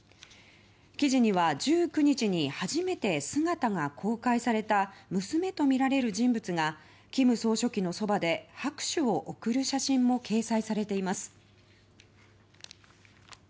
記事には１９日に初めて姿が公開された娘とみられる人物が金総書記のそばで、拍手を送る写真も掲載されています。